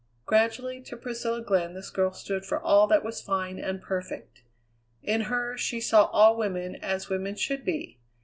Gradually to Priscilla Glenn this girl stood for all that was fine and perfect. In her she saw all women as women should be.